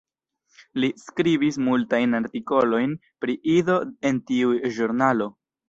Li skribis multajn artikolojn pri Ido en tiu ĵurnalo.